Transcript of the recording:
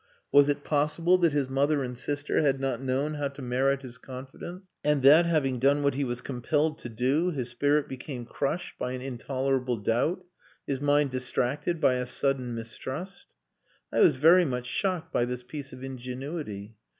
Was it possible that his mother and sister had not known how to merit his confidence; and that, after having done what he was compelled to do, his spirit became crushed by an intolerable doubt, his mind distracted by a sudden mistrust. I was very much shocked by this piece of ingenuity.